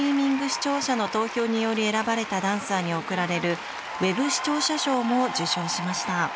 視聴者の投票により選ばれたダンサーに贈られる「ウェブ視聴者賞」も受賞しました。